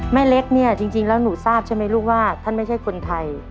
แม่เล็กเนี่ยจริงแล้วหนูทราบใช่ไหมลูกว่าท่านไม่ใช่คนไทย